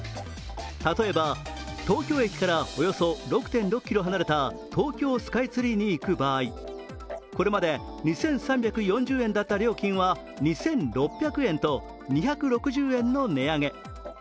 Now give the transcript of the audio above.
例えば東京駅からおよそ６．６ｋｍ離れた東京スカイツリーに行く場合これまで２３４０円だった料金は２６００円と２６０円の値上げ。